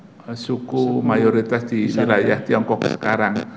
bukan orang suku mayoritas di wilayah tiongkok sekarang